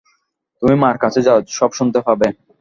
তুমি মার কাছে যাও, সব শুনতে পাবে।